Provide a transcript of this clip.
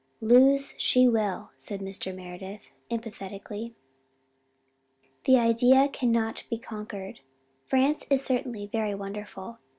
"Lose she will," said Mr. Meredith: emphatically. "The Idea cannot be conquered. France is certainly very wonderful.